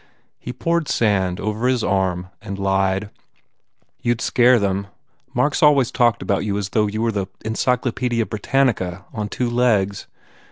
He poured sand over his arm and lied, "You d scare them. Mark s always talked about you as though you were the Encyclopaedia Brittanica on two legs.